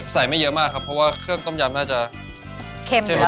ไม่เยอะมากครับเพราะว่าเครื่องต้มยำน่าจะเค็มใช่ไหม